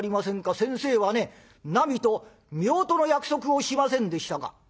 先生はねなみとめおとの約束をしませんでしたか？」。